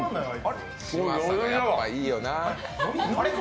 嶋佐がやっぱいいよな。